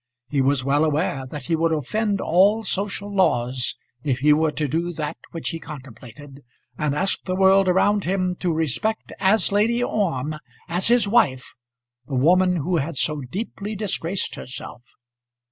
He was well aware that he would offend all social laws if he were to do that which he contemplated, and ask the world around him to respect as Lady Orme as his wife, the woman who had so deeply disgraced herself.